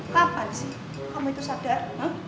kapan sih kamu itu sadar